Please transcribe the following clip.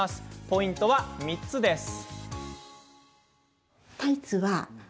ポイントは３つです。